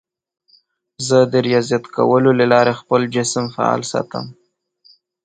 زه د ریاضت کولو له لارې خپل جسم فعال ساتم.